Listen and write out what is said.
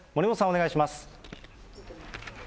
お願いします。